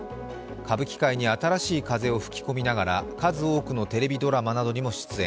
歌舞伎界に新しい風を吹き込みながら数多くのテレビドラマなどにも出演。